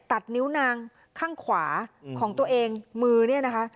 ตัดนิ้วนางข้างขวาของตัวเองมือเนี่ยนะคะ